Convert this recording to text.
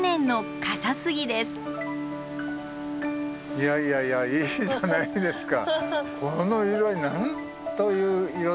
いやいやいやいいじゃないですか。